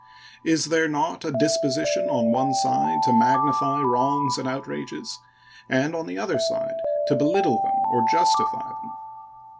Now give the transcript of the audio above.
Is there not a disposition on one side to magnify wrongs and outrages, and on the other side to belittle them or justify them?